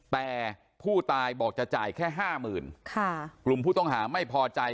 แต่ผู้ตายบอกจะจ่ายแค่ห้าหมื่นค่ะกลุ่มผู้ต้องหาไม่พอใจ